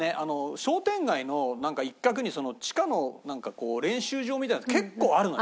商店街の一角に地下の練習場みたいなのが結構あるのよ。